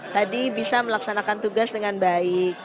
tadi bisa melaksanakan tugas dengan baik